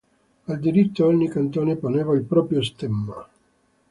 Al diritto ogni cantone poneva il proprio stemma.